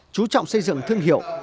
chú trọng xây dựng thương hiệu